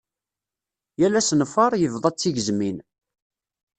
Yal asenfar, yebḍa d tigezmin.